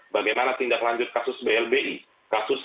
bagaimana tindak lanjut kasus blbi kasus senturi dan banyak lagi